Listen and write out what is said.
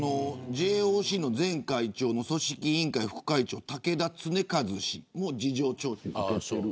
ＪＯＣの前会長の組織委員会副会長、竹田恒和氏も事情聴取されている。